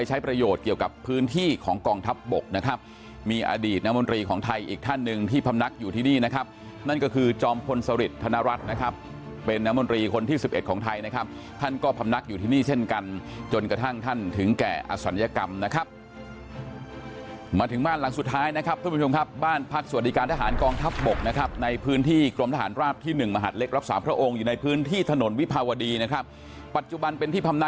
ใช้ประโยชน์เกี่ยวกับพื้นที่ของกองทัพบกนะครับมีอดีตนามนตรีของไทยอีกท่านหนึ่งที่พำนักอยู่ที่นี่นะครับนั่นก็คือจอมพลศริษฐ์ธนรัฐนะครับเป็นนามนตรีคนที่๑๑ของไทยนะครับท่านก็พำนักอยู่ที่นี่เช่นกันจนกระทั่งท่านถึงแก่อสัญกรรมนะครับมาถึงบ้านหลังสุดท้ายนะครับท่านผู้ชมครับบ้านพั